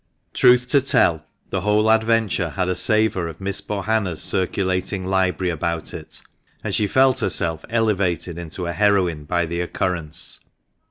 Truth to tell, the whole adventure had a savour of Miss Bohanna's circulating library about it, and she felt herself elevated into a heroine by the occurrence.